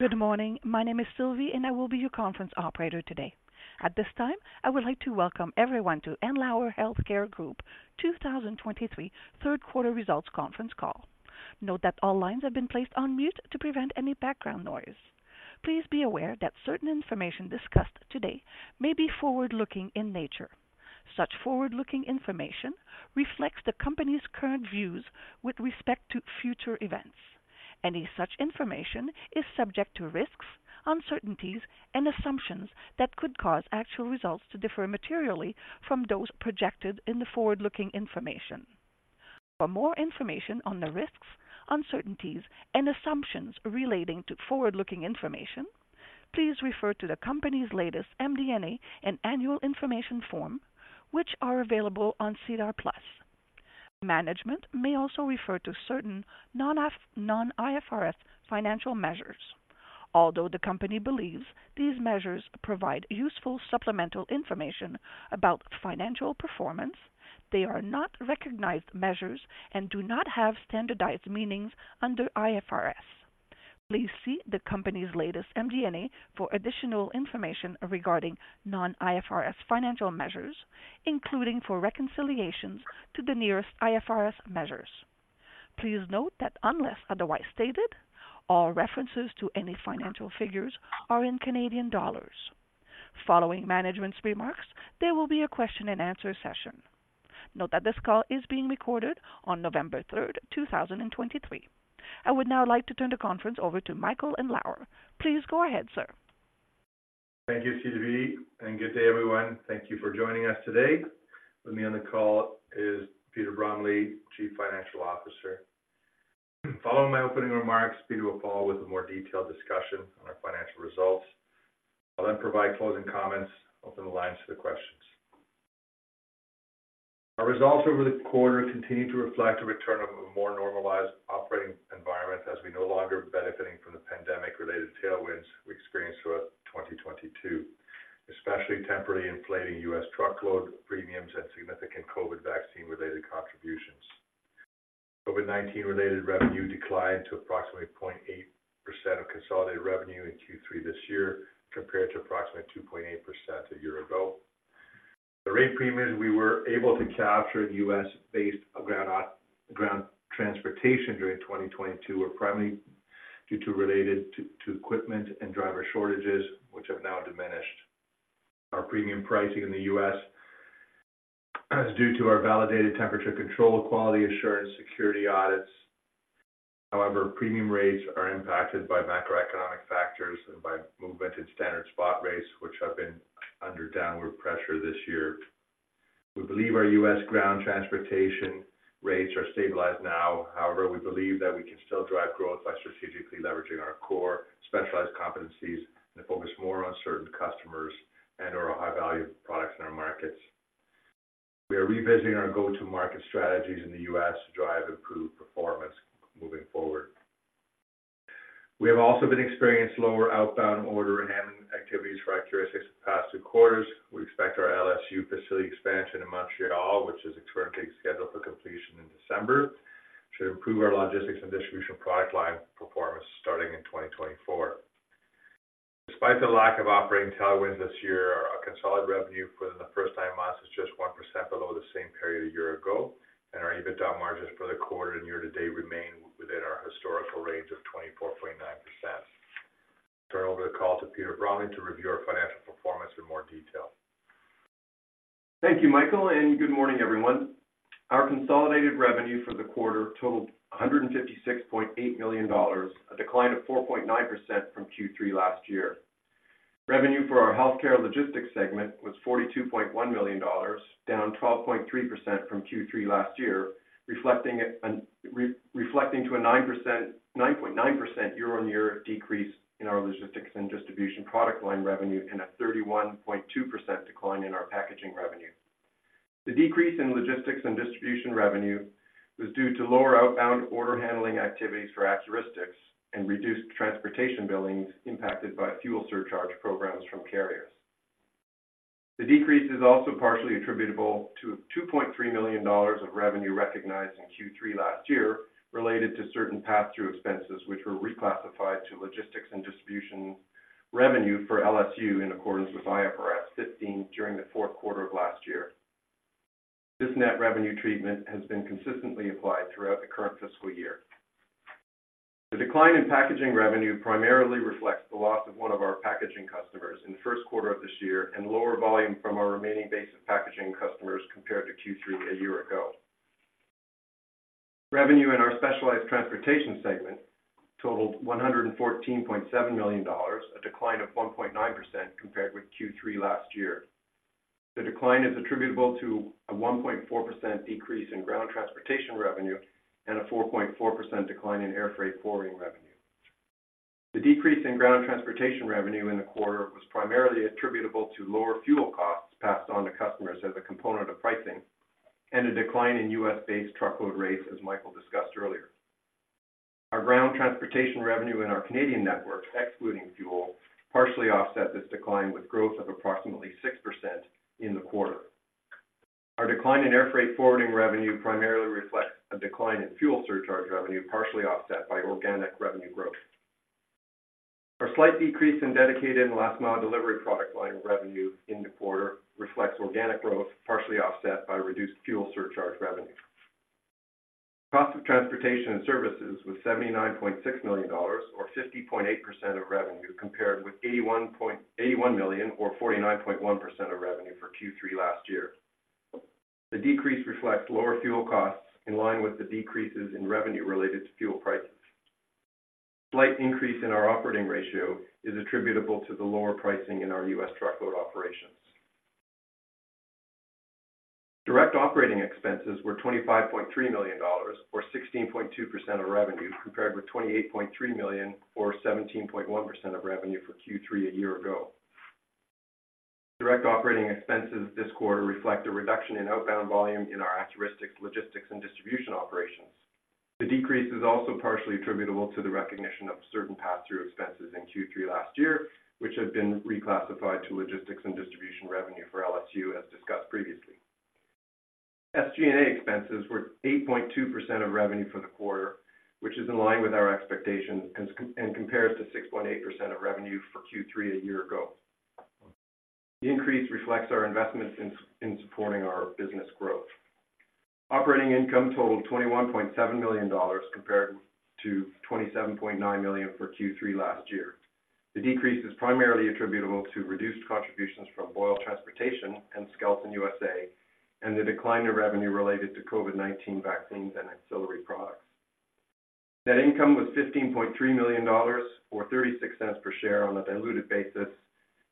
Good morning. My name is Sylvie, and I will be your conference operator today. At this time, I would like to welcome everyone to Andlauer Healthcare Group 2023 third quarter results conference call. Note that all lines have been placed on mute to prevent any background noise. Please be aware that certain information discussed today may be forward-looking in nature. Such forward-looking information reflects the company's current views with respect to future events. Any such information is subject to risks, uncertainties, and assumptions that could cause actual results to differ materially from those projected in the forward-looking information. For more information on the risks, uncertainties, and assumptions relating to forward-looking information, please refer to the company's latest MD&A and Annual Information Form, which are available on SEDAR+. Management may also refer to certain non-IFRS financial measures. Although the company believes these measures provide useful supplemental information about financial performance, they are not recognized measures and do not have standardized meanings under IFRS. Please see the company's latest MD&A for additional information regarding non-IFRS financial measures, including for reconciliations to the nearest IFRS measures. Please note that unless otherwise stated, all references to any financial figures are in Canadian dollars. Following management's remarks, there will be a question and answer session. Note that this call is being recorded on November 3rd, 2023. I would now like to turn the conference over to Michael Andlauer. Please go ahead, sir. Thank you, Sylvie, and good day, everyone. Thank you for joining us today. With me on the call is Peter Bromley, Chief Financial Officer. Following my opening remarks, Peter will follow with a more detailed discussion on our financial results. I'll then provide closing comments, open the lines to the questions. Our results over the quarter continue to reflect a return of a more normalized operating environment as we no longer benefiting from the pandemic-related tailwinds we experienced throughout 2022, especially temporarily inflating U.S. truckload premiums and significant COVID vaccine-related contributions. COVID-19 related revenue declined to approximately 0.8% of consolidated revenue in Q3 this year, compared to approximately 2.8% a year ago. The rate premiums we were able to capture in U.S.-based ground transportation during 2022 were primarily due to related to equipment and driver shortages, which have now diminished. Our premium pricing in the U.S. is due to our validated temperature control, quality assurance, security audits. However, premium rates are impacted by macroeconomic factors and by movement in standard spot rates, which have been under downward pressure this year. We believe our U.S. ground transportation rates are stabilized now. However, we believe that we can still drive growth by strategically leveraging our core specialized competencies and focus more on certain customers and/or high-value products in our markets. We are revisiting our go-to-market strategies in the U.S. to drive improved performance moving forward. We have also been experiencing lower outbound order handling activities for our ATS Healthcare the past two quarters. We expect our LSU facility expansion in Montreal, which is currently scheduled for completion in December, to improve our logistics and distribution product line performance starting in 2024. Despite the lack of operating tailwind this year, our consolidated revenue for the first nine months is just 1% below the same period a year ago, and our EBITDA margins for the quarter and year to date remain within our historical range of 24.9%. Turn over the call to Peter Bromley to review our financial performance in more detail. Thank you, Michael, and good morning, everyone. Our consolidated revenue for the quarter totaled 156.8 million dollars, a decline of 4.9% from Q3 last year. Revenue for our healthcare logistics segment was 42.1 million dollars, down 12.3% from Q3 last year, reflecting a 9.9% year-on-year decrease in our logistics and distribution product line revenue, and a 31.2% decline in our packaging revenue. The decrease in logistics and distribution revenue was due to lower outbound order handling activities for Accuristix and reduced transportation billings impacted by fuel surcharge programs from carriers. The decrease is also partially attributable to 2.3 million dollars of revenue recognized in Q3 last year, related to certain passthrough expenses, which were reclassified to logistics and distribution revenue for LSU in accordance with IFRS 15 during the fourth quarter of last year. This net revenue treatment has been consistently applied throughout the current fiscal year. The decline in packaging revenue primarily reflects the loss of one of our packaging customers in the first quarter of this year, and lower volume from our remaining base of packaging customers compared to Q3 a year ago. Revenue in our specialized transportation segment totaled 114.7 million dollars, a decline of 1.9% compared with Q3 last year. The decline is attributable to a 1.4% decrease in ground transportation revenue and a 4.4% decline in air freight forwarding revenue. The decrease in ground transportation revenue in the quarter was primarily attributable to lower fuel costs passed on to customers as a component of pricing and a decline in U.S.-based truckload rates, as Michael discussed earlier. Our ground transportation revenue in our Canadian network, excluding fuel, partially offset this decline with growth of approximately 6% in the quarter....Our decline in airfreight forwarding revenue primarily reflects a decline in fuel surcharge revenue, partially offset by organic revenue growth. Our slight decrease in dedicated and last mile delivery product line revenue in the quarter reflects organic growth, partially offset by reduced fuel surcharge revenue. Cost of transportation and services was 79.6 million dollars, or 50.8% of revenue, compared with 81 million, or 49.1% of revenue for Q3 last year. The decrease reflects lower fuel costs, in line with the decreases in revenue related to fuel prices. Slight increase in our operating ratio is attributable to the lower pricing in our U.S. truckload operations. Direct operating expenses were 25.3 million dollars, or 16.2% of revenue, compared with 28.3 million, or 17.1% of revenue for Q3 a year ago. Direct operating expenses this quarter reflect a reduction in outbound volume in our Accuristix logistics and distribution operations. The decrease is also partially attributable to the recognition of certain pass-through expenses in Q3 last year, which have been reclassified to logistics and distribution revenue for LSU, as discussed previously. SG&A expenses were 8.2% of revenue for the quarter, which is in line with our expectations, and compares to 6.8% of revenue for Q3 a year ago. The increase reflects our investments in supporting our business growth. Operating income totaled 21.7 million dollars, compared to 27.9 million for Q3 last year. The decrease is primarily attributable to reduced contributions from Boyle Transportation and Skelton USA, and the decline in revenue related to COVID-19 vaccines and ancillary products. Net income was 15.3 million dollars, or 0.36 per share on a diluted basis,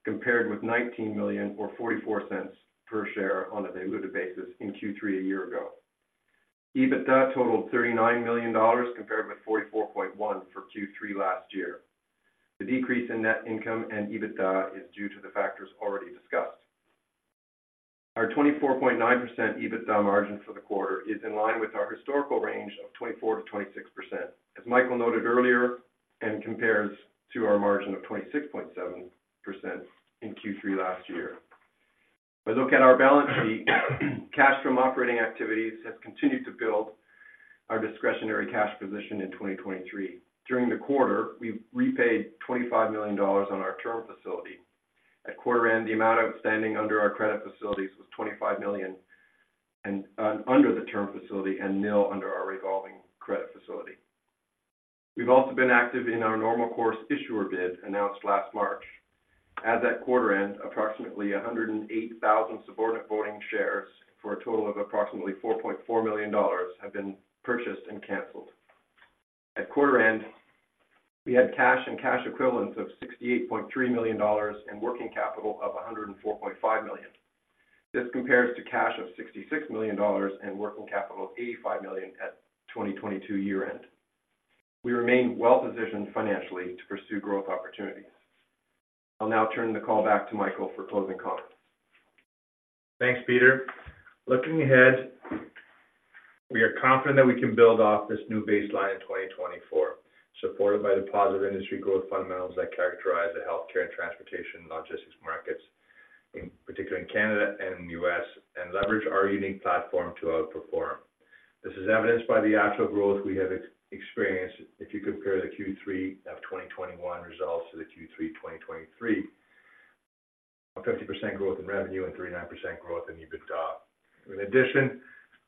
compared with 19 million, or 0.44 per share on a diluted basis in Q3 a year ago. EBITDA totaled 39 million dollars, compared with 44.1 million for Q3 last year. The decrease in net income and EBITDA is due to the factors already discussed. Our 24.9% EBITDA margin for the quarter is in line with our historical range of 24%-26%, as Michael noted earlier, and compares to our margin of 26.7% in Q3 last year. If I look at our balance sheet, cash from operating activities has continued to build our discretionary cash position in 2023. During the quarter, we repaid 25 million dollars on our term facility. At quarter end, the amount outstanding under our credit facilities was 25 million, and under the term facility and nil under our revolving credit facility. We've also been active in our normal course issuer bid, announced last March. As at quarter end, approximately 108,000 subordinate voting shares, for a total of approximately 4.4 million dollars, have been purchased and canceled. At quarter end, we had cash and cash equivalents of 68.3 million dollars and working capital of 104.5 million. This compares to cash of 66 million dollars and working capital of 85 million at 2022 year-end. We remain well-positioned financially to pursue growth opportunities. I'll now turn the call back to Michael for closing comments. Thanks, Peter. Looking ahead, we are confident that we can build off this new baseline in 2024, supported by the positive industry growth fundamentals that characterize the healthcare and transportation logistics markets, in particular in Canada and the U.S., and leverage our unique platform to outperform. This is evidenced by the actual growth we have experienced if you compare the Q3 of 2021 results to the Q3 2023. A 50% growth in revenue and 39% growth in EBITDA. In addition,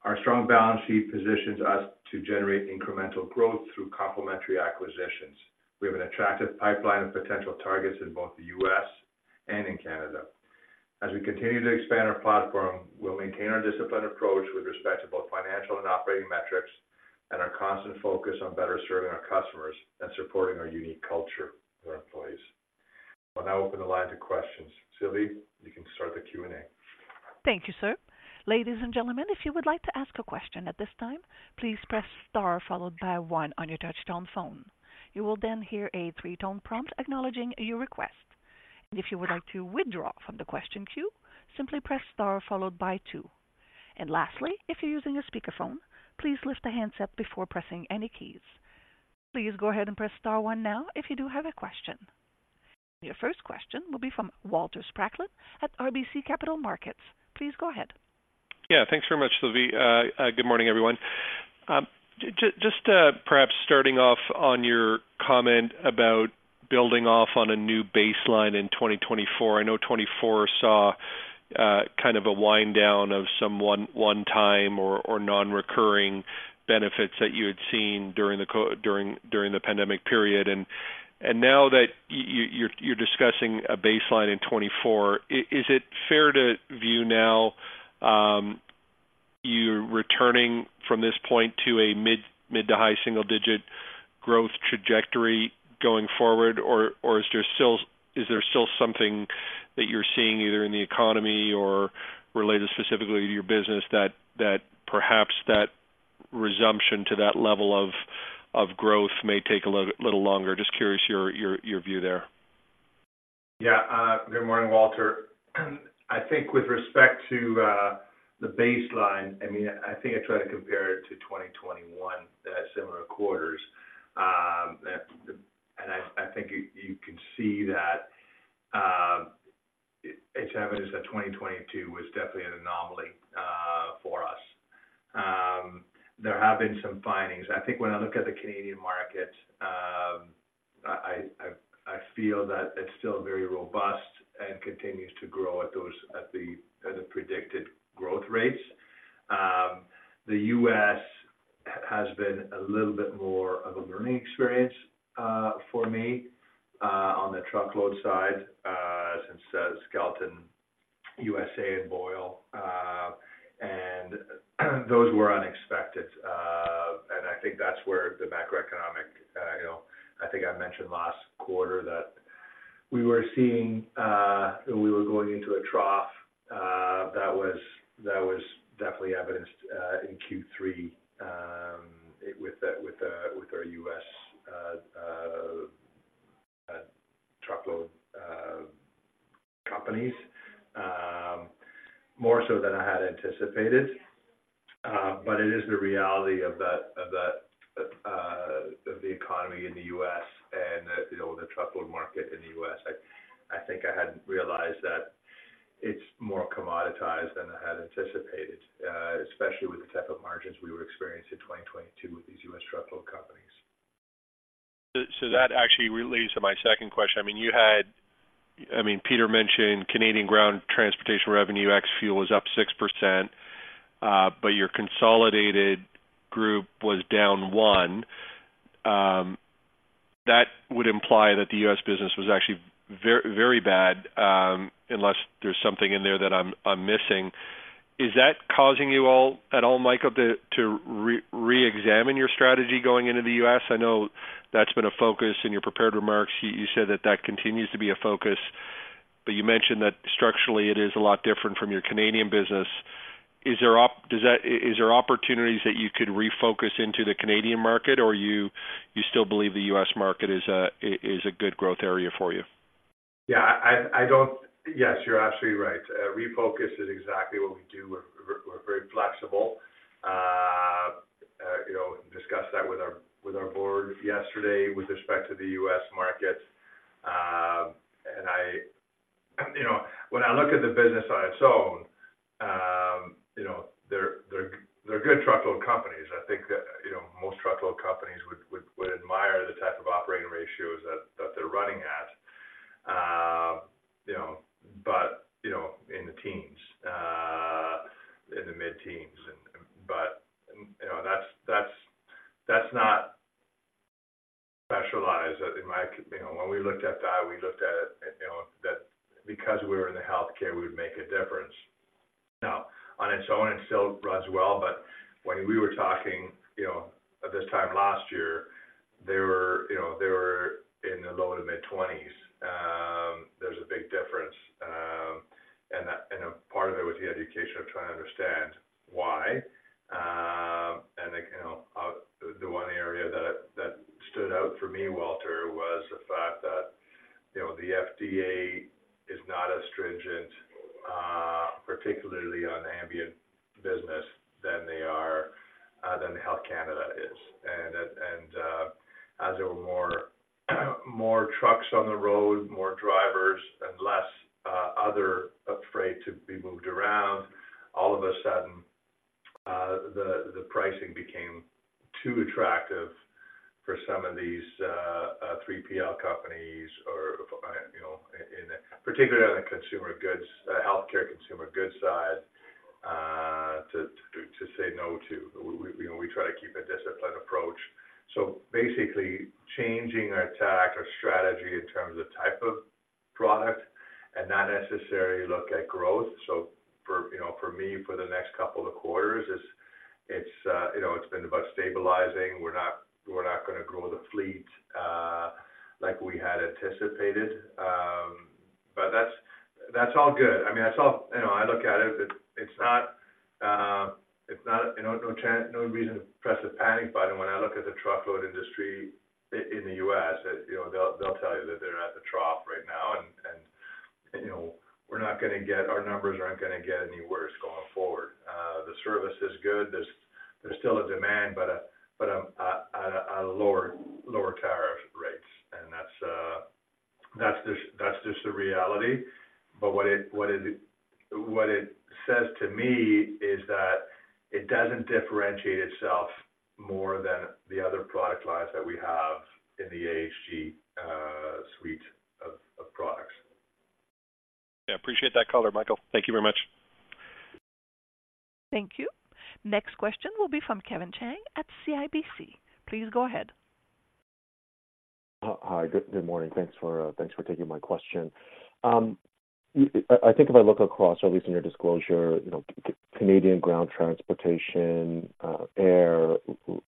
our strong balance sheet positions us to generate incremental growth through complementary acquisitions. We have an attractive pipeline of potential targets in both the U.S. and in Canada. As we continue to expand our platform, we'll maintain our disciplined approach with respect to both financial and operating metrics, and our constant focus on better serving our customers and supporting our unique culture for employees. I'll now open the line to questions. Sylvie, you can start the Q&A. Thank you, sir. Ladies and gentlemen, if you would like to ask a question at this time, please press star, followed by one on your touchtone phone. You will then hear a three-tone prompt acknowledging your request. If you would like to withdraw from the question queue, simply press star followed by two. Lastly, if you're using a speakerphone, please lift the handset before pressing any keys. Please go ahead and press star one now, if you do have a question. Your first question will be from Walter Spracklin at RBC Capital Markets. Please go ahead. Yeah, thanks very much, Sylvie. Good morning, everyone. Just perhaps starting off on your comment about building off on a new baseline in 2024. I know 2024 saw kind of a wind down of some one-time or non-recurring benefits that you had seen during the pandemic period. And now that you're discussing a baseline in 2024, is it fair to view now you're returning from this point to a mid to high single-digit growth trajectory going forward? Or is there still something that you're seeing, either in the economy or related specifically to your business, that perhaps that resumption to that level of growth may take a little longer? Just curious your view there. Yeah. Good morning, Walter. I think with respect to the baseline, I mean, I think I tried to compare it to 2021, the similar quarters. I think you can see that it's evidence that 2022 was definitely an anomaly for us. There have been some findings. I think when I look at the Canadian market, I feel that it's still very robust and continues to grow at those predicted growth rates. The U.S. has been a little bit more of a learning experience for me on the truckload side since Skelton USA and Boyle. And those were unexpected. I think that's where the macroeconomic, you know, I think I mentioned last quarter that we were seeing, we were going into a trough, that was definitely evidenced in Q3 with our U.S. truckload companies. More so than I had anticipated. But it is the reality of that of the economy in the U.S. and the, you know, the truckload market in the U.S. I think I hadn't realized that it's more commoditized than I had anticipated, especially with the type of margins we would experience in 2022 with these U.S. truckload companies. So that actually leads to my second question. I mean, Peter mentioned Canadian ground transportation revenue, ex fuel, was up 6%, but your consolidated group was down 1%. That would imply that the U.S. business was actually very bad, unless there's something in there that I'm missing. Is that causing you all, at all, Michael, to reexamine your strategy going into the U.S.? I know that's been a focus in your prepared remarks. You said that that continues to be a focus, but you mentioned that structurally it is a lot different from your Canadian business. Is there opportunities that you could refocus into the Canadian market, or you still believe the U.S. market is a good growth area for you? Yeah, yes, you're absolutely right. Refocus is exactly what we do. We're very flexible. You know, discussed that with our board yesterday with respect to the U.S. market. And I, you know, when I look at the business on its own, you know, they're good truckload companies. I think that, you know, most truckload companies would admire the type of operating ratios that they're running at. You know, but, you know, in the teens, in the mid-teens. But you know, that's not specialized, that it might, you know, when we looked at that, we looked at it, you know, that because we were in the healthcare, we would make a difference. Now, on its own, it still runs well, but when we were talking, you know, at this time last year, they were, you know, they were in the low to mid-twenties. There's a big difference, and that, and a part of it was the education of trying to understand why. You know, the one area that, that stood out for me, Walter, was the fact that, you know, the FDA is not as stringent, particularly on ambient business, than they are, than Health Canada is. As there were more trucks on the road, more drivers and less other freight to be moved around, all of a sudden, the pricing became too attractive for some of these 3PL companies, or, you know, in particular on the consumer goods, healthcare consumer goods side, to say no to. We, you know, we try to keep a disciplined approach. So basically, changing our attack, our strategy in terms of type of product and not necessarily look at growth. So for, you know, for me, for the next couple of quarters, it's, you know, it's been about stabilizing. We're not gonna grow the fleet like we had anticipated. But that's all good. I mean, that's all... You know, I look at it. It's not, you know, no chance, no reason to press the panic button when I look at the truckload industry in the U.S. You know, they'll tell you that they're at the trough right now, and, you know, we're not gonna get—Our numbers aren't gonna get any worse going forward. The service is good. There's still a demand, but a lower tariff rates, and that's just the reality. But what it says to me is that it doesn't differentiate itself more than the other product lines that we have in the AHG suite of products. Yeah, appreciate that color, Michael. Thank you very much. Thank you. Next question will be from Kevin Chiang at CIBC. Please go ahead. Hi, good morning. Thanks for taking my question. I think if I look across, at least in your disclosure, you know, Canadian ground transportation, air,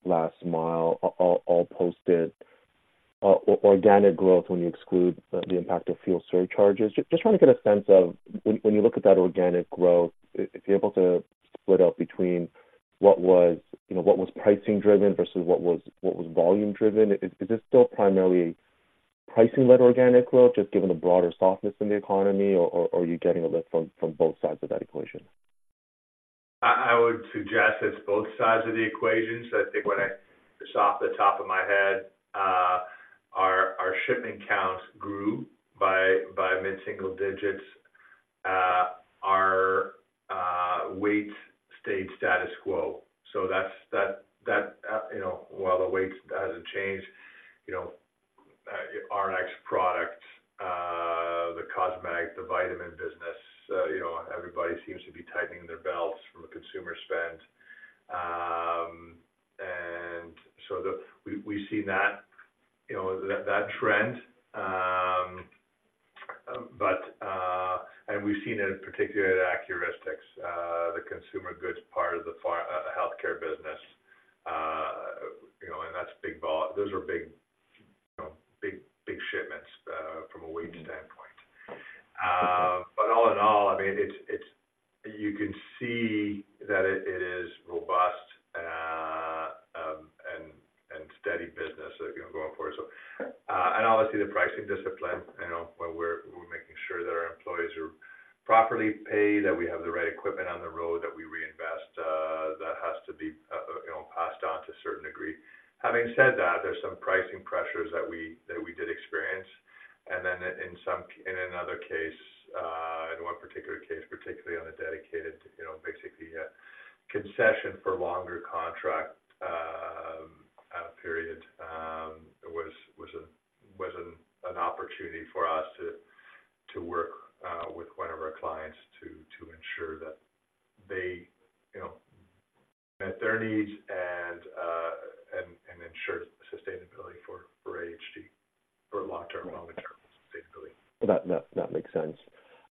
last mile, all posted organic growth when you exclude the impact of fuel surcharges. Just trying to get a sense of when you look at that organic growth, if you're able to split out between what was, you know, what was pricing driven versus what was volume driven. Is this still primarily pricing-led organic growth, just given the broader softness in the economy, or are you getting a lift from both sides of that equation? I would suggest it's both sides of the equation. So I think when I just off the top of my head, our shipment count grew by mid-single digits. Our weight stayed status quo. So that's you know while the weight hasn't changed, you know our next product, the cosmetic, the vitamin business, you know everybody seems to be tightening their belts from a consumer spend. And so we've seen that you know that trend. But we've seen it particularly at Accuristix, the consumer goods part of the healthcare business. You know and that's big volume. Those are big, big, big shipments from a weight standpoint. But all in all, I mean, it's. You can see that it is robust and steady business, you know, going forward. So, obviously, the pricing discipline, you know, where we're making sure that our employees are properly paid, that we have the right equipment on the road, that we reinvest, that has to be, you know, passed on to a certain degree. Having said that, there's some pricing pressures that we did experience, and then in another case, in one particular case, particularly on a dedicated, you know, basically a concession for longer contract period, was an opportunity for us to work with one of our clients to ensure that they, you know, met their needs and ensure sustainability for AHG for long-term sustainability. That makes sense.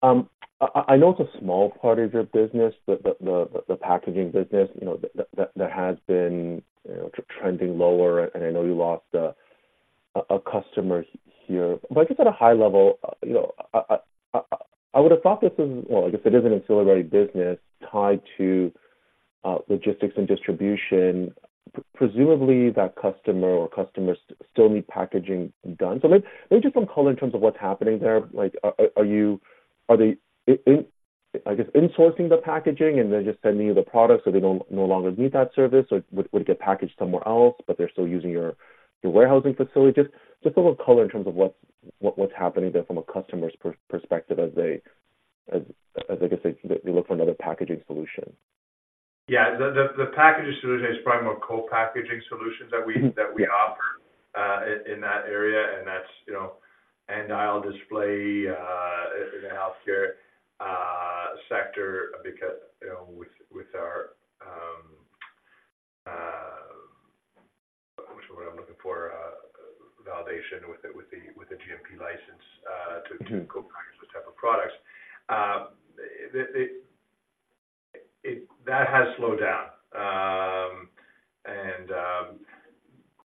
I know it's a small part of your business, the packaging business, you know, that has been, you know, trending lower, and I know you lost a customer here. But just at a high level, you know, I would have thought this is, well, I guess it is an ancillary business tied to logistics and distribution. Presumably, that customer or customers still need packaging done. So maybe just some color in terms of what's happening there. Like, are they insourcing the packaging, and they're just sending you the product, so they don't no longer need that service, or would it get packaged somewhere else, but they're still using your warehousing facility? Just a little color in terms of what's happening there from a customer's perspective as they, as I guess, they look for another packaging solution. Yeah, the packaging solution is probably more co-packaging solutions that we- Mm-hmm. -that we offer in that area, and that's, you know, and I'll display in the healthcare sector, because, you know, with our... What I'm looking for validation with the GMP license- Mm-hmm. to co-package those type of products. That has slowed down. And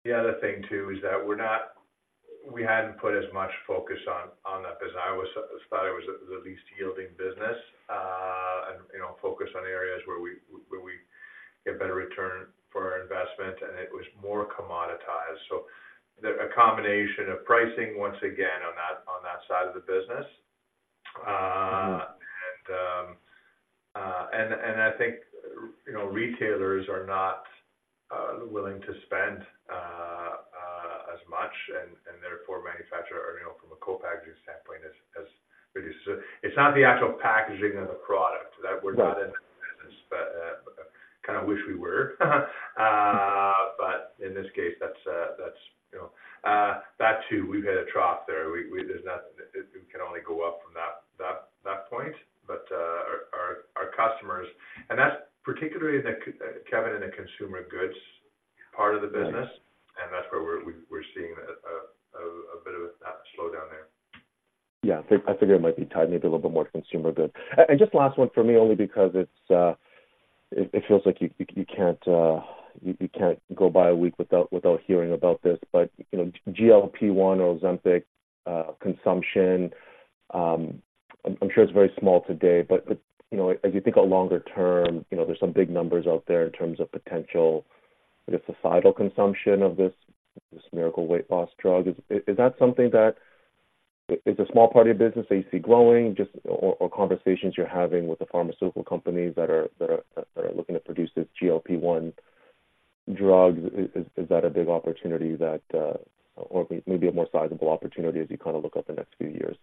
the other thing, too, is that we hadn't put as much focus on that as I thought it was the least yielding business, and you know, focus on areas where we get better return for our investment, and it was more commoditized. So a combination of pricing, once again, on that side of the business. Mm-hmm. And I think, you know, retailers are not willing to spend as much, and therefore, manufacturer, you know, from a co-packaging standpoint, has reduced. It's not the actual packaging of the product, that we're not- Right. in that business, but kind of wish we were. But in this case, that's, that's, you know. That, too, we've hit a trough there. We— It can only go up from that point, but our customers— And that's particularly in the, Kevin, in the consumer goods part of the business. Right. And that's where we're seeing a bit of a slowdown there. Yeah, I figure it might be tied, maybe a little bit more consumer goods. And just last one for me, only because it's, it feels like you can't go by a week without hearing about this, but you know, GLP-1 or Ozempic consumption, I'm sure it's very small today, but you know, as you think of longer term, you know, there's some big numbers out there in terms of potential, I guess, societal consumption of this miracle weight loss drug. Is that something that is a small part of your business that you see growing, just or conversations you're having with the pharmaceutical companies that are looking to produce this GLP-1 drug? Is that a big opportunity that, or maybe a more sizable opportunity as you kind of look out the next few years?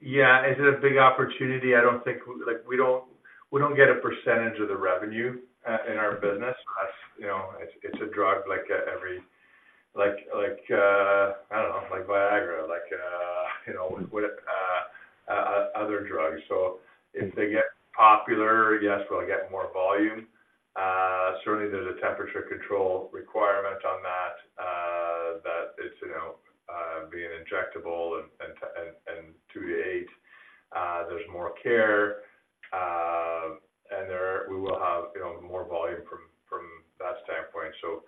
Yeah. Is it a big opportunity? I don't think—like, we don't get a percentage of the revenue in our business. You know, it's a drug like every like, like, I don't know, like Viagra, like, you know, what, other drugs. So if they get popular, yes, we'll get more volume. Certainly, there's a temperature control requirement on that, that it's, you know, being injectable and, and, and two to eight, there's more care, and there—we will have, you know, more volume from that standpoint. So,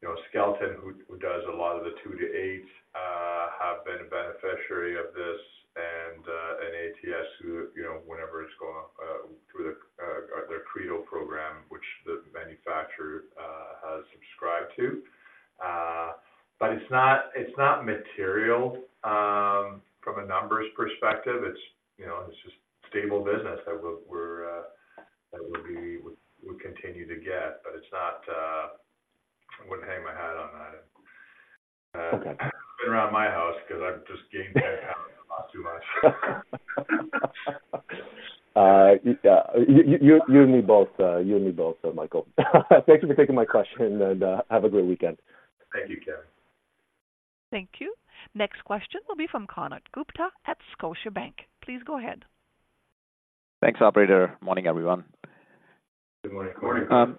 you know, Skelton, who does a lot of the two to eight, have been a beneficiary of this, and, and ATS, who, you know, whenever it's gone through the their Credo program, which manufacturer has subscribed to. But it's not, it's not material from a numbers perspective. You know, it's just stable business that we continue to get, but it's not. I wouldn't hang my hat on that. Okay. Been around my house because I've just gained back and lost too much. You and me both. You and me both, Michael. Thank you for taking my question, and have a great weekend. Thank you, Kevin. Thank you. Next question will be from Konark Gupta at Scotiabank. Please go ahead. Thanks, operator. Morning, everyone. Good morning, Konark.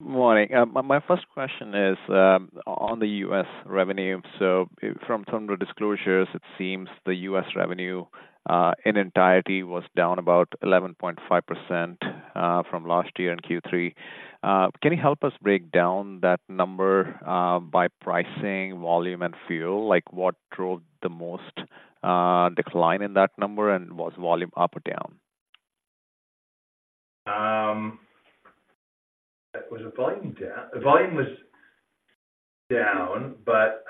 Morning. My, my first question is, on the U.S. revenue. So from the disclosures, it seems the U.S. revenue, in entirety was down about 11.5%, from last year in Q3. Can you help us break down that number, by pricing, volume, and fuel? Like, what drove the most, decline in that number, and was volume up or down? Was the volume down? The volume was down, but,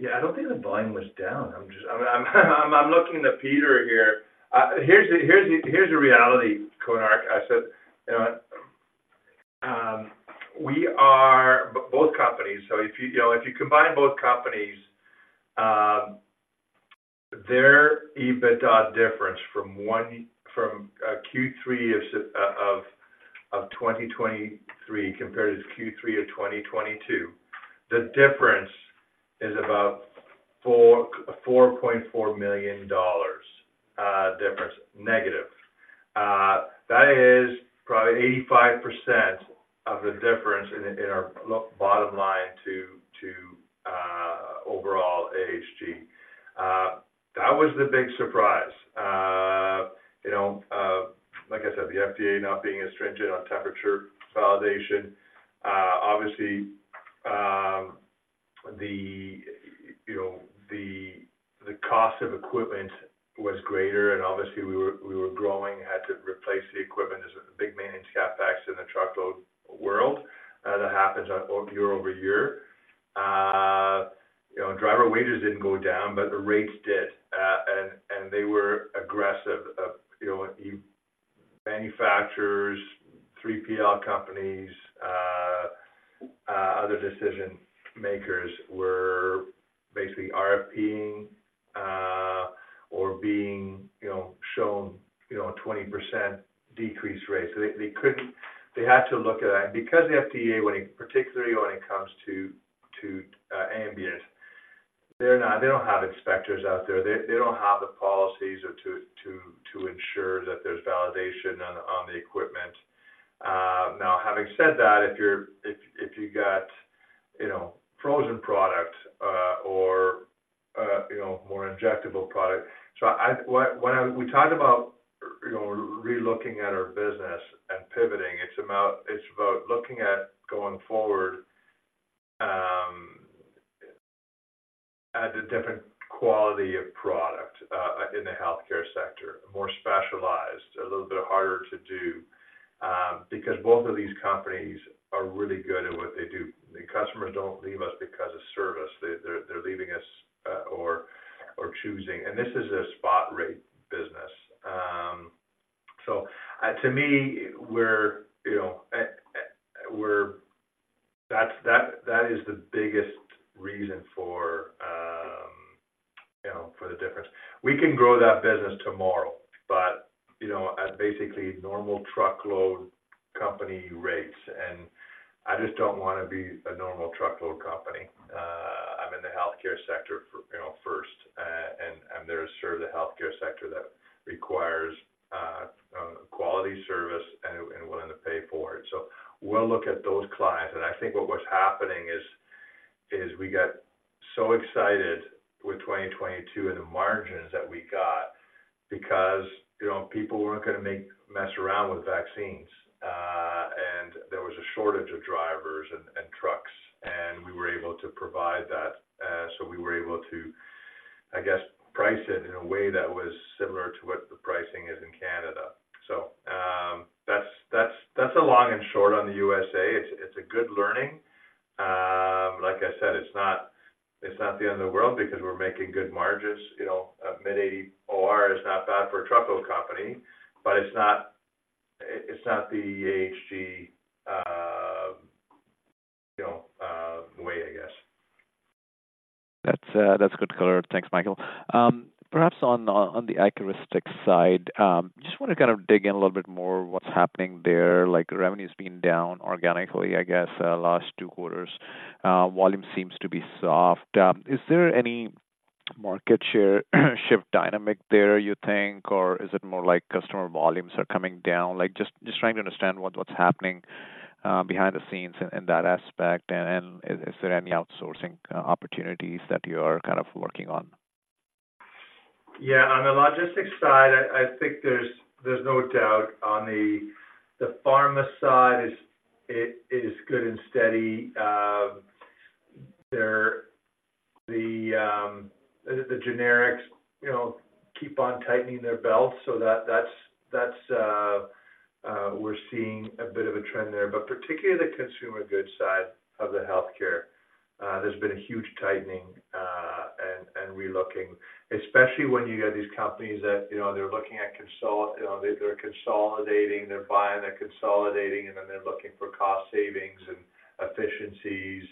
yeah, I don't think the volume was down. I'm just looking to Peter here. Here's the reality, Konark. I said, you know what, we are both companies. So if you, you know, if you combine both companies, their EBITDA difference from Q3 of 2023 compared to Q3 of 2022, the difference is about 4.4 million dollars, difference, negative. That is probably 85% of the difference in our bottom line to overall AHG. That was the big surprise. You know, like I said, the FDA not being as stringent on temperature validation. Obviously, you know, the cost of equipment was greater, and obviously, we were growing and had to replace the equipment. There's a big maintenance CapEx in the truckload world that happens year-over-year. You know, driver wages didn't go down, but the rates did. And they were aggressive of, you know, manufacturers, 3PL companies, other decision makers were basically RFPing or being, you know, shown, you know, a 20% decreased rate. So they couldn't. They had to look at that. Because the FDA, when it particularly when it comes to ambient, they're not. They don't have inspectors out there. They don't have the policies or to ensure that there's validation on the equipment. Now, having said that, if you're, if you got, you know, frozen product, or, you know, more injectable product. So, when we talked about, you know, relooking at our business and pivoting, it's about looking at going forward, at a different quality of product, in the healthcare sector. More specialized, a little bit harder to do, because both of these companies are really good at what they do. The customers don't leave us because of service. They're leaving us, or choosing. And this is a spot rate business. So, to me, we're, you know, that's, that is the biggest reason for, you know, for the difference. We can grow that business tomorrow, but, you know, at basically normal truckload company rates, and I just don't want to be a normal truckload company. I'm in the healthcare sector for, you know, first, and there's sort of the healthcare sector that requires quality service and willing to pay for it. So we'll look at those clients. And I think what was happening is we got so excited with 2022 and the margins that we got because, you know, people weren't gonna mess around with vaccines. And there was a shortage of drivers and trucks, and we were able to provide that. So we were able to, I guess, price it in a way that was similar to what the pricing is in Canada. So that's a long and short on the USA. It's, it's a good learning. Like I said, it's not, it's not the end of the world because we're making good margins. You know, a mid-80 OR is not bad for a truckload company, but it's not, it's not the AHG, you know, way, I guess. That's, that's good color. Thanks, Michael. Perhaps on, on the Accuristix side, just want to kind of dig in a little bit more what's happening there. Like, revenue's been down organically, I guess, last two quarters. Volume seems to be soft. Is there any market share, shift dynamic there, you think, or is it more like customer volumes are coming down? Like, just, just trying to understand what, what's happening, behind the scenes in, in that aspect, and, and is there any outsourcing, opportunities that you are kind of working on? Yeah. On the logistics side, I think there's no doubt. The pharma side is good and steady. The generics, you know, keep on tightening their belts so that's, we're seeing a bit of a trend there, but particularly the consumer goods side of the healthcare, there's been a huge tightening and relooking, especially when you got these companies that, you know, they're looking at consolidating, you know, they're consolidating, they're buying, they're consolidating, and then they're looking for cost savings and efficiencies.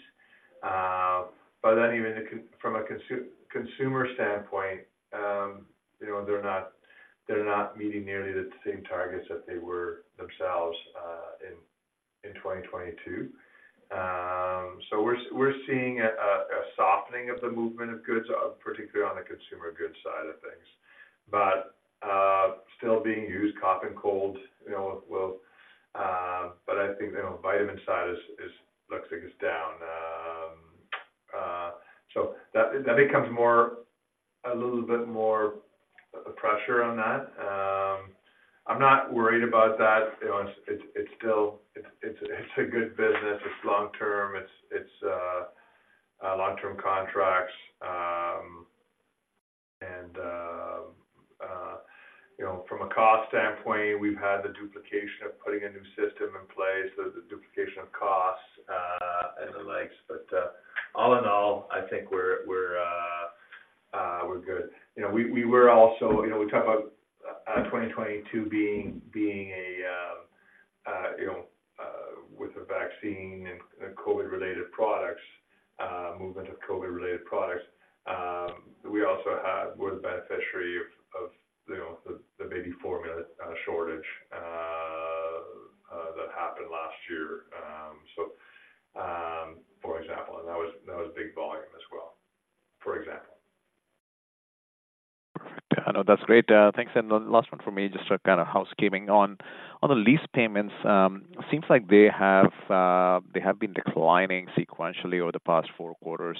But then even from a consumer standpoint, you know, they're not meeting nearly the same targets that they were themselves in 2022. So we're seeing a softening of the movement of goods, particularly on the consumer goods side of things. But still being used, cough and cold, you know, will. But I think, you know, vitamin side looks like it's down. So that becomes more a little bit more pressure on that. I'm not worried about that. You know, it's still a good business. It's long term. It's long-term contracts. And you know, from a cost standpoint, we've had the duplication of putting a new system in place, so the duplication of costs and the likes. But all in all, I think we're good. You know, we were also you know, we talk about 2022 being a you know with the vaccine and COVID-related products movement of COVID-related products, we also had we're the beneficiary of you know the baby formula shortage that happened last year. So, for example, and that was a big volume as well, for example. Perfect. No, that's great. Thanks. And the last one for me, just a kind of housekeeping. On the lease payments, seems like they have been declining sequentially over the past four quarters.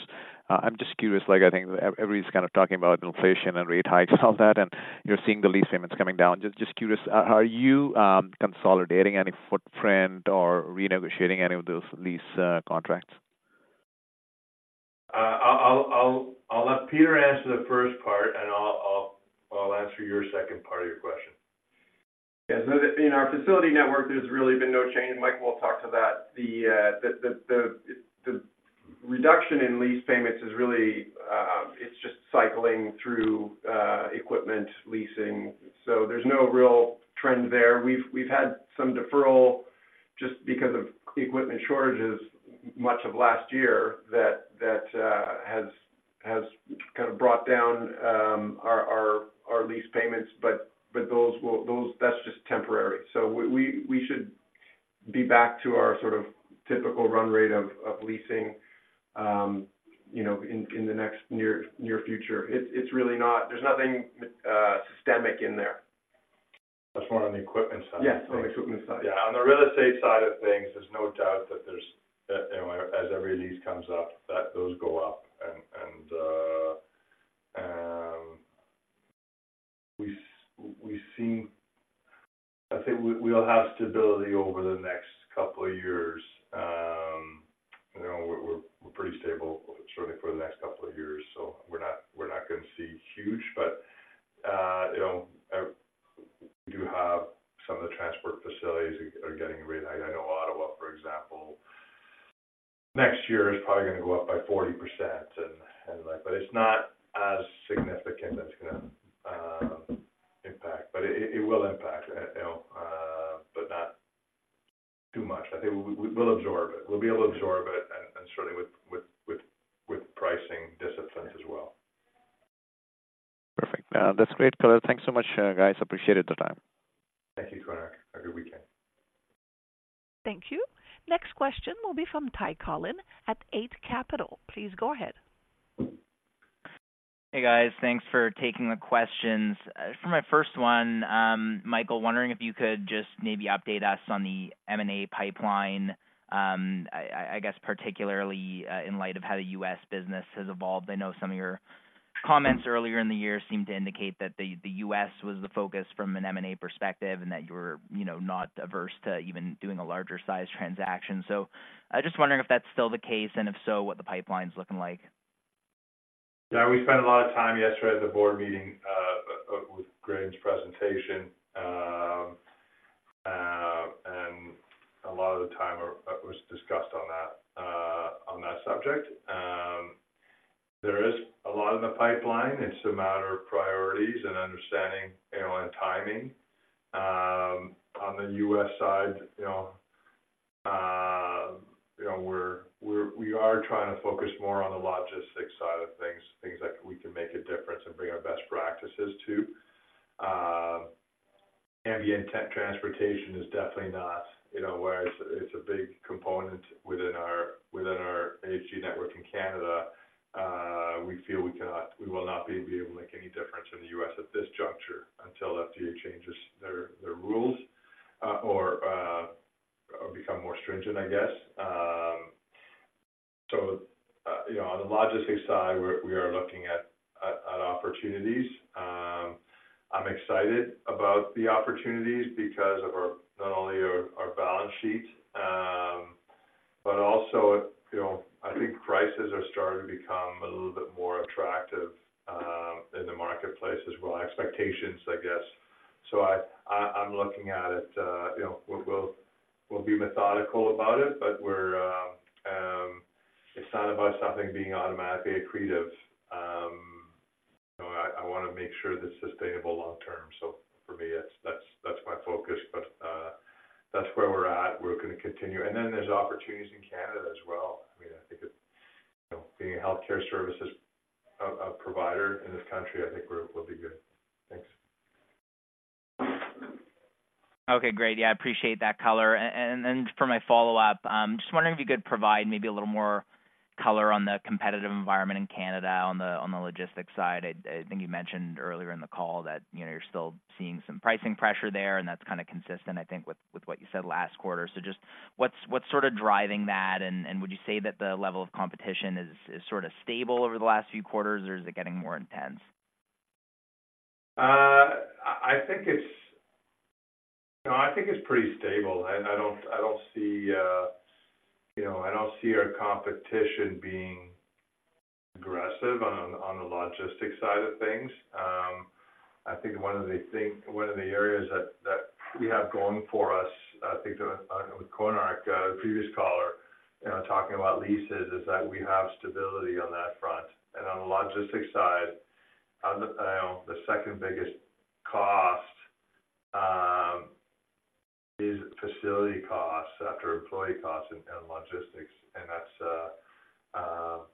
I'm just curious, like, I think everybody's kind of talking about inflation and rate hikes, all that, and you're seeing the lease payments coming down. Just curious, are you consolidating any footprint or renegotiating any of those lease contracts? I'll let Peter answer the first part, and I'll answer your second part of your question. Yeah. So in our facility network, there's really been no change, and Michael will talk to that. The reduction in lease payments is really, it's just cycling through equipment leasing. So there's no real trend there. We've had some deferral just because of equipment shortages much of last year, that has kind of brought down our lease payments. But those will—those, that's just temporary. So we should be back to our sort of typical run rate of leasing, you know, in the next near future. It's really not—There's nothing systemic in there. That's more on the equipment side. Yes, on the equipment side. Yeah. On the real estate side of things, there's no doubt that there's you know, as every lease comes up, that those go up. And I think we'll have stability over the next couple of years. You know, we're pretty stable, certainly for the next couple of years. So we're not gonna see huge. But you know, we do have some of the transport facilities are getting raised. I know Ottawa, for example, next year is probably gonna go up by 40%. And like, but it's not as significant that it's gonna impact, but it will impact you know, but not too much. I think we'll absorb it. We'll be able to absorb it, and certainly with pricing disciplines as well. Perfect. That's great, guys. Thanks so much, guys. Appreciated the time. Thank you, Konark. Have a good weekend. Thank you. Next question will be from Ty Collin at Eight Capital. Please go ahead. Hey, guys. Thanks for taking the questions. For my first one, Michael, wondering if you could just maybe update us on the M&A pipeline, I guess particularly, in light of how the U.S. business has evolved. I know some of your comments earlier in the year seemed to indicate that the U.S. was the focus from an M&A perspective, and that you were, you know, not averse to even doing a larger size transaction. So I'm just wondering if that's still the case, and if so, what the pipeline is looking like. Yeah, we spent a lot of time yesterday at the board meeting with Graham's presentation. And a lot of the time was discussed on that on that subject. There is a lot in the pipeline. It's a matter of priorities and understanding, you know, and timing. On the U.S. side, you know, you know, we are trying to focus more on the logistics side of things, things that we can make a difference and bring our best practices to. Ambient temp transportation is definitely not, you know, where it's, it's a big component within our, within our AG network in Canada. We feel we will not be able to make any difference in the U.S. at this juncture until FDA changes their, the rules, or, or become more stringent, I guess. So, you know, on the logistics side, we're looking at opportunities. I'm excited about the opportunities because of not only our balance sheet, but also, you know, I think prices are starting to become a little bit more attractive in the marketplace as well. Expectations, I guess. So I'm looking at it, you know, we'll be methodical about it, but it's not about something being automatically accretive. You know, I wanna make sure it's sustainable long term. So for me, that's my focus. But that's where we're at. We're gonna continue. And then there's opportunities in Canada as well. I mean, I think it's, you know, being a healthcare services provider in this country, I think we'll be good. Thanks. Okay, great. Yeah, I appreciate that color. And for my follow-up, just wondering if you could provide maybe a little more color on the competitive environment in Canada on the logistics side. I think you mentioned earlier in the call that, you know, you're still seeing some pricing pressure there, and that's kinda consistent, I think, with what you said last quarter. So just what's sort of driving that? And would you say that the level of competition is sort of stable over the last few quarters, or is it getting more intense? I think it's... No, I think it's pretty stable, and I don't see, you know, I don't see our competition being aggressive on the logistics side of things. I think one of the areas that we have going for us, I think, with Konark, the previous caller, you know, talking about leases, is that we have stability on that front. And on the logistics side, you know, the second biggest cost is facility costs after employee costs and logistics. And that's,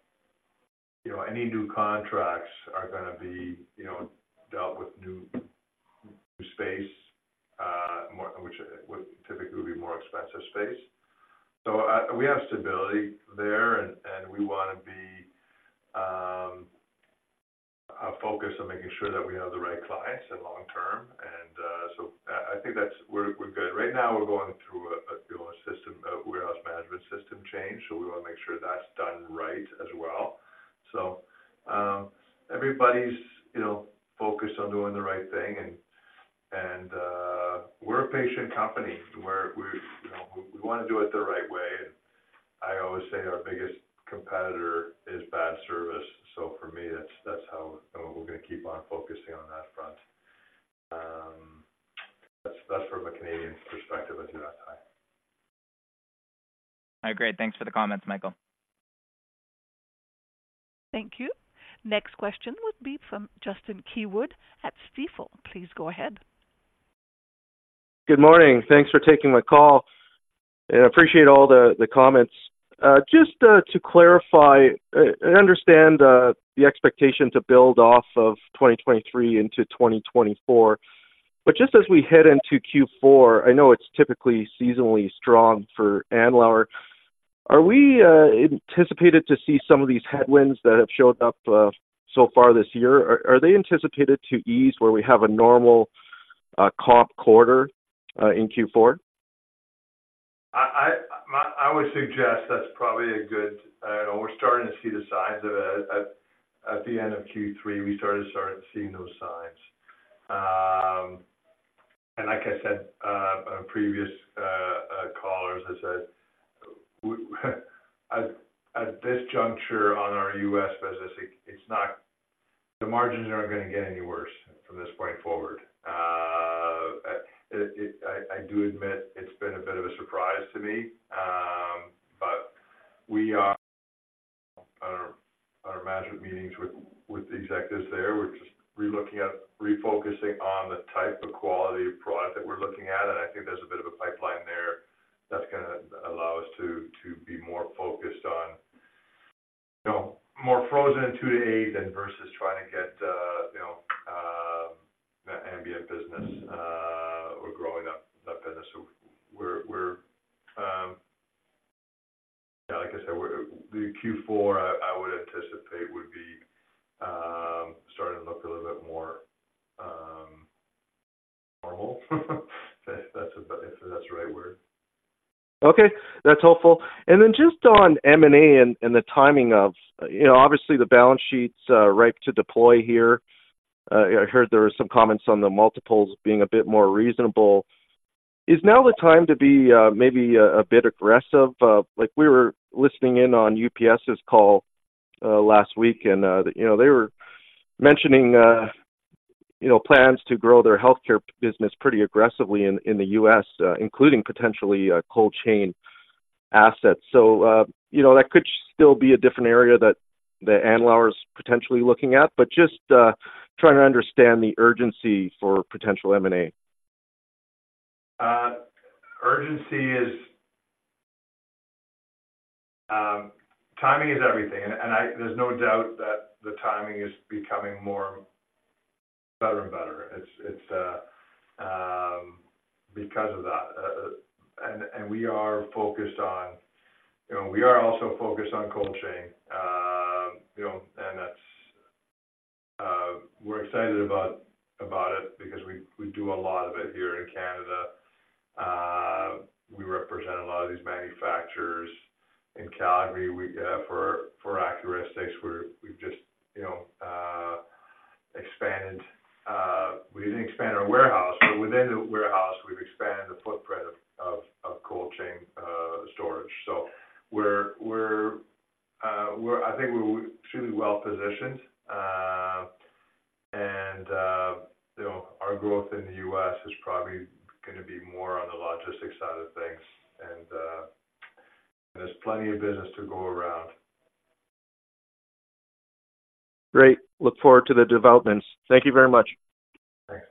you know, any new contracts are gonna be, you know, dealt with new space, which would typically be more expensive space. We have stability there, and we wanna be focused on making sure that we have the right clients and long term. I think that's where we're good. Right now, we're going through a, you know, a system, a warehouse management system change, so we wanna make sure that's done right as well. So, everybody's, you know, focused on doing the right thing, and we're a patient company. We're, you know, we wanna do it the right way, and I always say our biggest competitor is bad service. So for me, that's how we're gonna keep on focusing on that front. That's from a Canadian perspective, as you asked, Ty. All right, great. Thanks for the comments, Michael. Thank you. Next question would be from Justin Keywood at Stifel. Please go ahead. Good morning. Thanks for taking my call, and I appreciate all the comments. Just to clarify, I understand the expectation to build off of 2023 into 2024. But just as we head into Q4, I know it's typically seasonally strong for Andlauer. Are we anticipated to see some of these headwinds that have showed up so far this year? Are they anticipated to ease where we have a normal comp quarter in Q4? I would suggest that's probably a good. We're starting to see the signs of it. At the end of Q3, we started to start seeing those signs. And like I said, previous callers, I said, at this juncture on our U.S. business, it's not, the margins aren't gonna get any worse from this point forward. I do admit it's been a bit of a surprise to me, but we are on our management meetings with the executives there. We're just relooking at—refocusing on the type of quality of product that we're looking at, and I think there's a bit of a pipeline there that's gonna allow us to be more focused on, you know, more frozen, two to eight than versus trying to get, you know, ambient business, or growing that business. So we're, yeah, like I said, we're—the Q4, I would anticipate would be starting to look a little bit more normal. If that's the right word. Okay, that's helpful. And then just on M&A and the timing of, you know, obviously, the balance sheet's ripe to deploy here. I heard there were some comments on the multiples being a bit more reasonable. Is now the time to be maybe a bit aggressive? Like, we were listening in on UPS's call last week, and you know, they were mentioning you know, plans to grow their healthcare business pretty aggressively in the U.S., including potentially cold chain assets. So, you know, that could still be a different area that Andlauer is potentially looking at. But just trying to understand the urgency for potential M&A. Urgency is, timing is everything, and there's no doubt that the timing is becoming more better and better. It's because of that, and we are focused on, you know, we are also focused on cold chain. You know, and that's, we're excited about it because we do a lot of it here in Canada. We represent a lot of these manufacturers. In Calgary, for Accuristix, we've just, you know, expanded, we didn't expand our warehouse, but within the warehouse, we've expanded the footprint of cold chain storage. So we're, I think we're extremely well positioned. You know, our growth in the U.S. is probably gonna be more on the logistics side of things, and there's plenty of business to go around. Great. Look forward to the developments. Thank you very much. Thanks.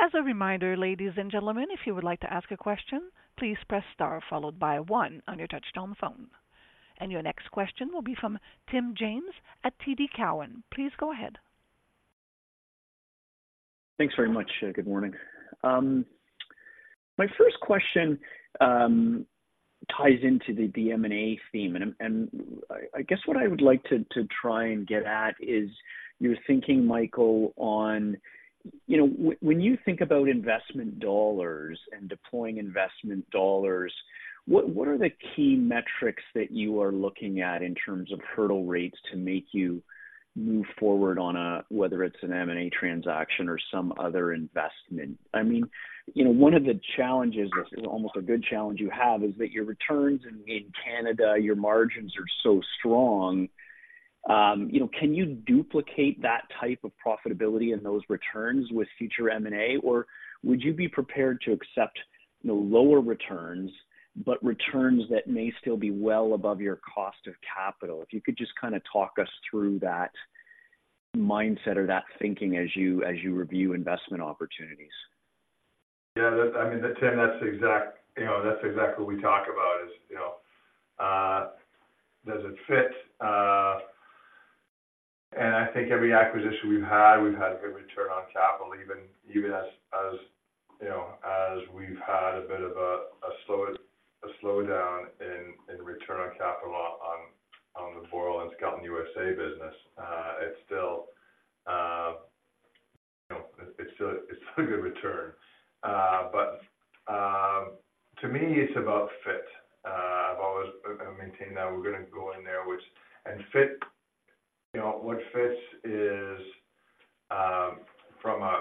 As a reminder, ladies and gentlemen, if you would like to ask a question, please press star followed by one on your touch-tone phone. Your next question will be from Tim James at TD Cowen. Please go ahead. Thanks very much. Good morning. My first question ties into the M&A theme, and I guess what I would like to try and get at is your thinking, Michael, on, you know, when you think about investment dollars and deploying investment dollars, what are the key metrics that you are looking at in terms of hurdle rates to make you move forward on a, whether it's an M&A transaction or some other investment? I mean, you know, one of the challenges, almost a good challenge you have, is that your returns in Canada, your margins are so strong. You know, can you duplicate that type of profitability and those returns with future M&A, or would you be prepared to accept the lower returns, but returns that may still be well above your cost of capital? If you could just kinda talk us through that mindset or that thinking as you review investment opportunities. Yeah, that, I mean, that Tim, that's exact, you know, that's exactly what we talk about is, you know, does it fit? And I think every acquisition we've had, we've had good return on capital, even as, you know, as we've had a bit of a slowdown in return on capital on the Boyle and Skelton USA business, it's still, you know, it's still a good return. But to me, it's about fit. I've always maintained that we're gonna go in there, which and fit, you know, what fits is from an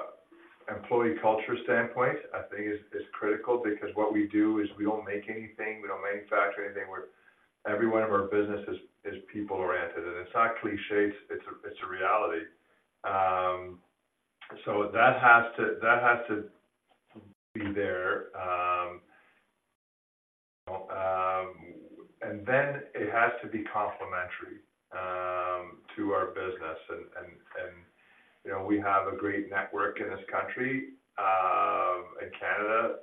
employee culture standpoint, I think is critical because what we do is we don't make anything, we don't manufacture anything. We're every one of our businesses is people-oriented, and it's not cliché, it's a reality. So that has to, that has to be there, and then it has to be complementary to our business. And, and, you know, we have a great network in this country, in Canada,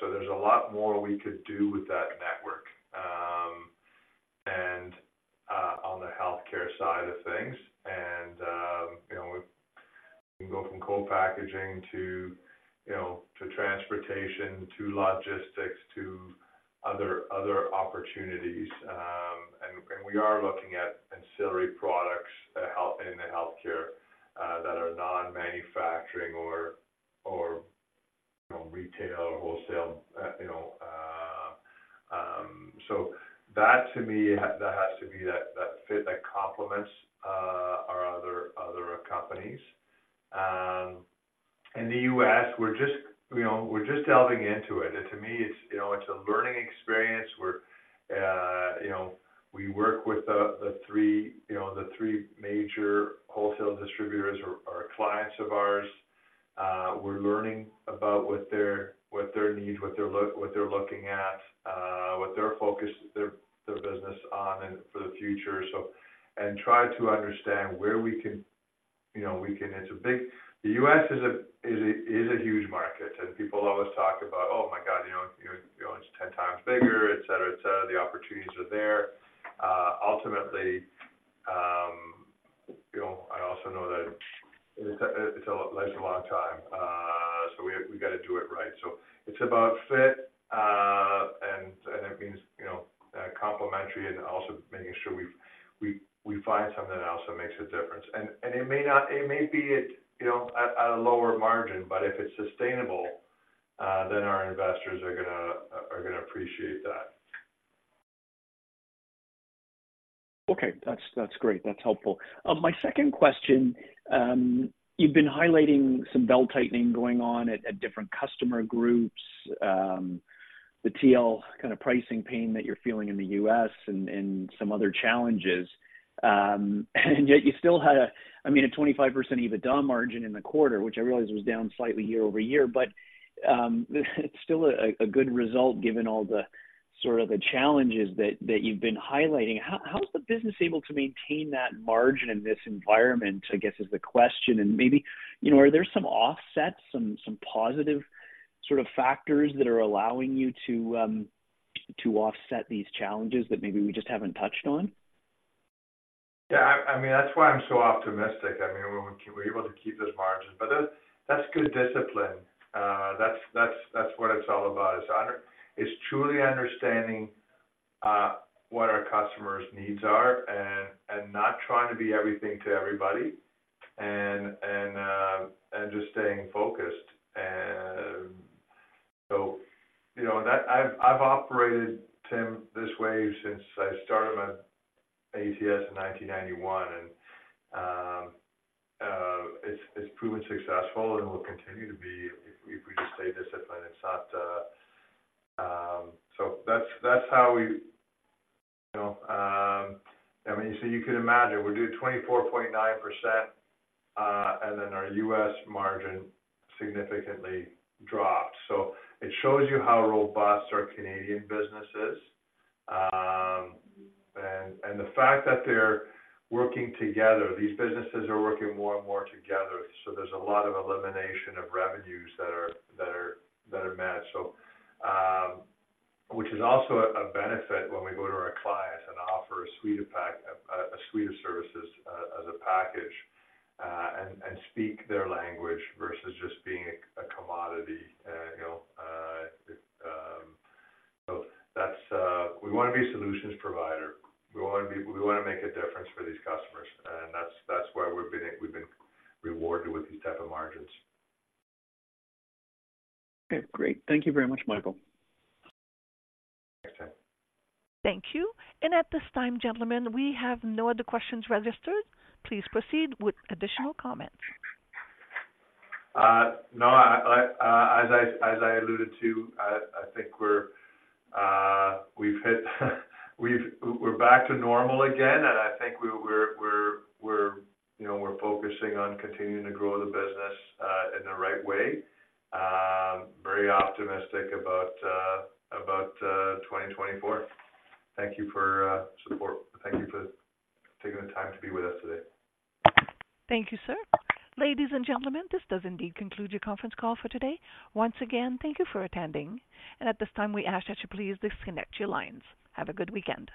so there's a lot more we could do with that network, and on the healthcare side of things. And, you know, we can go from cold packaging to, you know, to transportation, to logistics, to other, other opportunities. And, and we are looking at ancillary products that help in the healthcare, that are non-manufacturing or, or, you know, retail or wholesale, you know, so that to me, that has to be that, that fit, that complements our other, other companies. In the U.S., we're just, you know, we're just delving into it. To me, it's, you know, it's a learning experience where, you know, we work with the three major wholesale distributors or are clients of ours. We're learning about what their needs, what they're looking at, what their focus their business on and for the future. And try to understand where we can, you know, we can. It's big, the U.S. is a huge market, and people always talk about, "Oh, my God, you know, it's 10 times bigger," et cetera, et cetera. The opportunities are there. Ultimately, you know, I also know that it's a long time, so we got to do it right. So it's about fit, and it means, you know, complementary and also making sure we find something else that makes a difference. And it may not, it may be it, you know, at a lower margin, but if it's sustainable, then our investors are gonna appreciate that. Okay. That's, that's great. That's helpful. My second question, you've been highlighting some belt-tightening going on at, at different customer groups, the TL kind of pricing pain that you're feeling in the U.S. and, and some other challenges. And yet you still had a, I mean, a 25% EBITDA margin in the quarter, which I realize was down slightly year-over-year. But, it's still a, a good result given all the sort of the challenges that, that you've been highlighting. How, how is the business able to maintain that margin in this environment, I guess, is the question? And maybe, you know, are there some offsets, some, some positive sort of factors that are allowing you to, to offset these challenges that maybe we just haven't touched on? Yeah, I mean, that's why I'm so optimistic. I mean, we're able to keep those margins, but that's good discipline. That's what it's all about. It's truly understanding what our customer's needs are and not trying to be everything to everybody, and just staying focused. You know, I've operated, Tim, this way since I started my ATS in 1991, and it's proven successful and will continue to be if we just stay disciplined. It's not, so that's how we, you know, I mean, so you can imagine we do 24.9%, and then our U.S. margin significantly dropped. So it shows you how robust our Canadian business is. And the fact that they're working together, these businesses are working more and more together, so there's a lot of elimination of revenues that are matched. So, which is also a benefit when we go to our clients and offer a suite of services as a package, and speak their language versus just being a commodity, you know. So that's. We want to be a solutions provider. We want to make a difference for these customers, and that's why we've been rewarded with these type of margins. Okay, great. Thank you very much, Michael. Thanks, Tim. Thank you. At this time, gentlemen, we have no other questions registered. Please proceed with additional comments. No, as I alluded to, I think we've hit, we're back to normal again, and I think, you know, we're focusing on continuing to grow the business in the right way. Very optimistic about 2024. Thank you for support. Thank you for taking the time to be with us today. Thank you, sir. Ladies and gentlemen, this does indeed conclude your conference call for today. Once again, thank you for attending, and at this time, we ask that you please disconnect your lines. Have a good weekend.